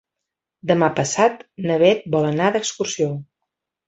Demà passat na Bet vol anar d'excursió.